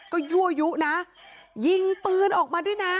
ก็ยั่วยุนะยิงปืนออกมาด้วยนะ